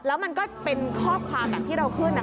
แล้วมันก็เป็นข้อความแบบที่เราขึ้น